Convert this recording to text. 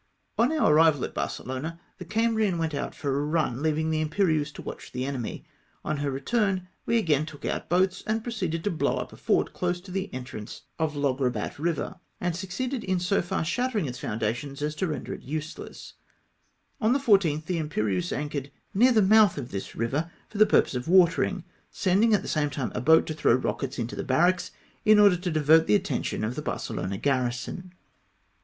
On our arrival at Barcelona the Cambrian went out for a run, leaving the Imperieuse to watch the enemy. On her return we again out boats, and proceeded to blow up a fort close to the entrance of Llogrebat 292 GET UNDER SAIL. river, and succeeded in so for shattering its founda tions, as to render it useless, On the 14th the Impe rieuse anchored near the mouth of this river for the purpose of watering, sending at the same time a boat to throw rockets into the barracks, in order to divert the attention of the Barcelona garrison.